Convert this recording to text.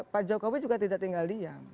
pak jokowi juga tidak tinggal diam